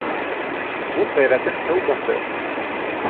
Ут ғәйрәтен һыу баҫыр.